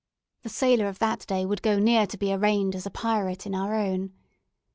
The sailor of that day would go near to be arraigned as a pirate in our own.